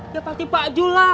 ya pasti pak jules lah